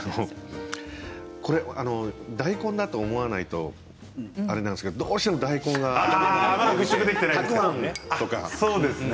これは大根だと思わないとあれなんですけれど、どうしても大根が浮かんできて。